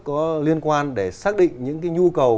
có liên quan để xác định những nhu cầu